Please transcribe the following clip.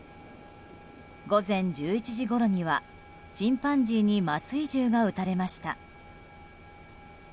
午前１１時ごろにはチンパンジーに麻酔銃が撃たれました。